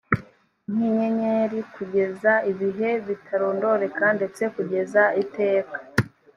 nk inyenyeri kugeza ibihe bitarondoreka ndetse kugeza iteka